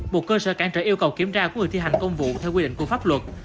một cơ sở cản trở yêu cầu kiểm tra của người thi hành công vụ theo quy định của pháp luật